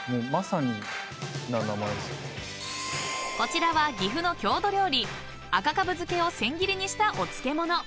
［こちらは岐阜の郷土料理赤蕪漬を千切りにしたお漬物］